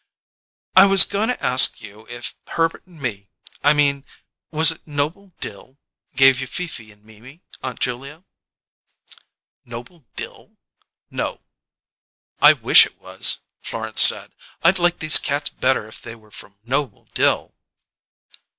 "I was going to ask you if Herbert and me I mean: Was it Noble Dill gave you Fifi and Mimi, Aunt Julia?" "Noble Dill? No." "I wish it was," Florence said. "I'd like these cats better if they were from Noble Dill."